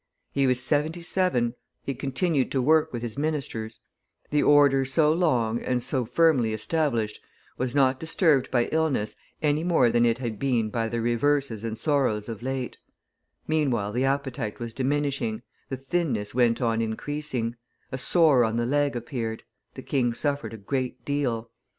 He was seventy seven; he continued to work with his ministers; the order so long and so firmly established was, not disturbed by illness any more than it had been by the reverses and sorrows of late; meanwhile the appetite was diminishing, the thinness went on increasing, a sore on the leg appeared, the king suffered a great deal.